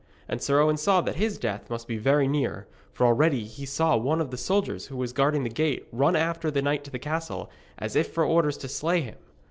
And Sir Owen saw that his death must be very near, for already he saw one of the soldiers who were guarding the gate run after the knight to the castle, as if for orders to slay him.